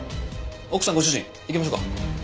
奥さんご主人行きましょうか。